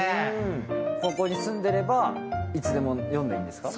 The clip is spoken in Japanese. ここに住んでればいつでも読んでいいんですか？